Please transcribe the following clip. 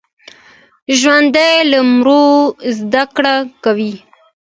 ژوندي له مړو زده کړه کوي